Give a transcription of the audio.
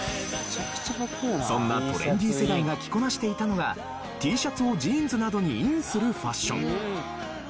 そんなトレンディ世代が着こなしていたのがＴシャツをジーンズなどにインするファッション。